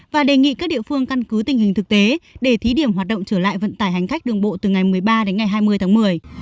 và đề nghị các địa phương căn cứ tình hình thực tế để thí điểm hoạt động trở lại vận tải hành khách đường bộ từ ngày một mươi ba đến ngày hai mươi tháng một mươi